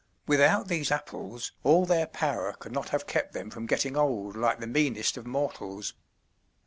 Without these Apples all their power could not have kept them from getting old like the meanest of mortals.